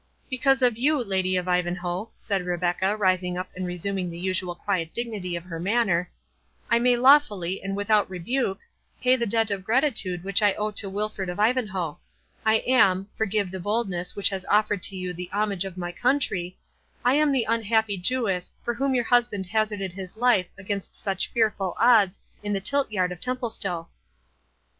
"Because to you, Lady of Ivanhoe," said Rebecca, rising up and resuming the usual quiet dignity of her manner, "I may lawfully, and without rebuke, pay the debt of gratitude which I owe to Wilfred of Ivanhoe. I am—forgive the boldness which has offered to you the homage of my country—I am the unhappy Jewess, for whom your husband hazarded his life against such fearful odds in the tiltyard of Templestowe."